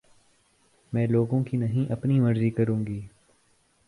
میں لوگوں کی نہیں اپنی مرضی کروں گی